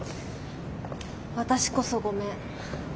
私こそごめん。